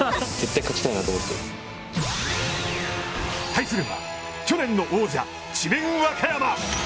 対するは、去年の王者、智弁和歌山。